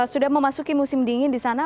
sudah memasuki musim dingin di sana